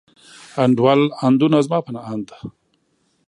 انډول، اندونه، زما په اند.